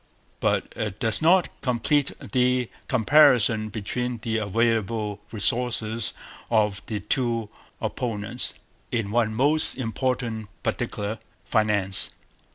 But it does not complete the comparison between the available resources of the two opponents in one most important particular finance.